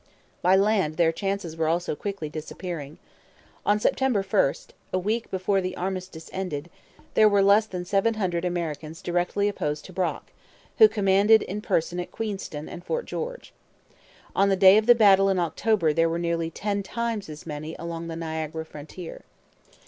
By land their chances were also quickly disappearing. On September 1, a week before the armistice ended, there were less than seven hundred Americans directly opposed to Brock, who commanded in person at Queenston and Fort George. On the day of the battle in October there were nearly ten times as many along the Niagara frontier.